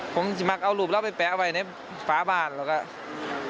ผมมักเอารูปเราไปแปะเอาไว้ในฝาบ้านแล้วก็